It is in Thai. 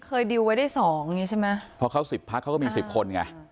ก็ดีลไว้ได้๒ใช่ไหมเพราะเขา๑๐พักเขาก็มี๑๐คนไง